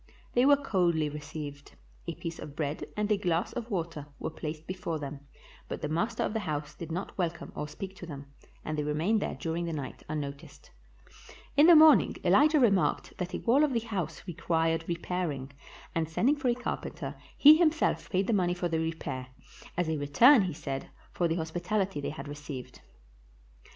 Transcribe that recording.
They were coldly received ; a piece of bread and a glass of water were placed before them, but the master of the house did not welcome or speak to them, and they re mained there during the night unnoticed. In the morn ing Elijah remarked that a wall of the house required repairing, and sending for a carpenter, he himself paid the money for the repair, as a return, he said, for the hospitaHty they had received.